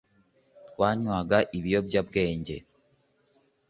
twanywaga ibiyobyabwenge